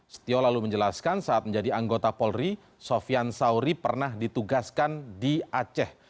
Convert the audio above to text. setio lalu menjelaskan saat menjadi anggota polri sofian sauri pernah ditugaskan di aceh